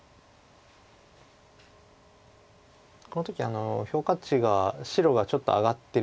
この時評価値が白がちょっと上がってる。